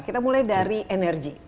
kita mulai dari energi